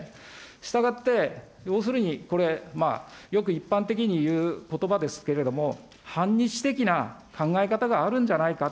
したがって、要するにこれ、よく一般的にいうことばですけれども、反日的な考え方があるんじゃないか。